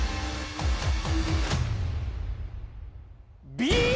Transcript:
Ｂ！